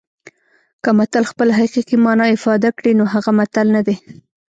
که متل خپله حقیقي مانا افاده کړي نو هغه متل نه دی